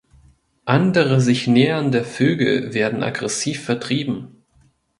Andere sich nähernde Vögel werden aggressiv vertrieben.